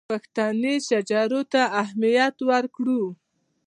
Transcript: پښتني شجرو ته اهمیت ورکړو.